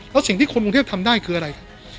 แล้วสิ่งที่คนกรุงเทพทำได้คืออะไรครับ